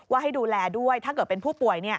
ให้ดูแลด้วยถ้าเกิดเป็นผู้ป่วย